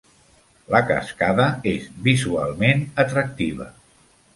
La cascada és visualment atractiva.